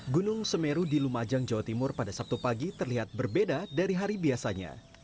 gunung semeru di lumajang jawa timur pada sabtu pagi terlihat berbeda dari hari biasanya